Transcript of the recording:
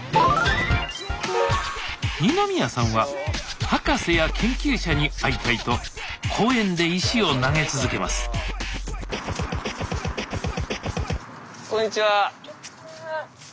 二宮さんは博士や研究者に会いたいと公園で石を投げ続けますこんにちは。